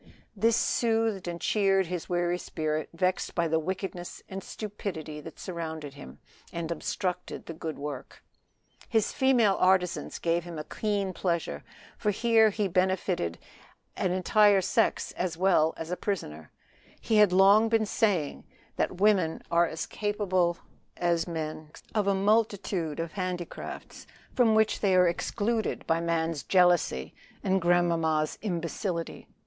This soothed and cheered his weary spirit vexed by the wickedness and stupidity that surrounded him and obstructed the good work. His female artisans gave him a keen pleasure, for here he benefited a sex as well as a prisoner. He had long been saying that women are as capable as men of a multitude of handicrafts, from which they are excluded by man's jealousy and grandmamma's imbecility.